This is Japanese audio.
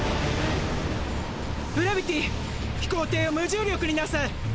ウラビティ飛行艇を無重力になさい！